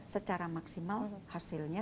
secara maksimal hasilnya